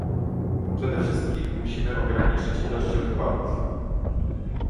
Przede wszystkim musimy ograniczyć ilości odpadów